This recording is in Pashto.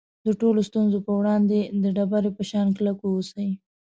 د ټولو ستونزو په وړاندې د ډبرې په شان کلک واوسئ.